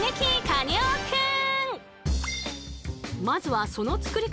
カネオくん！